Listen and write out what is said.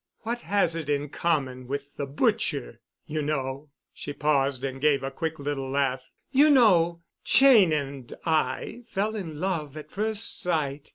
What has it in common with the butcher? You know"—she paused and gave a quick little laugh—"you know, Cheyne and I fell in love at first sight.